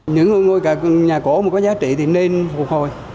những ngôi nhà cổ mà có giá trị thì nên phục hồi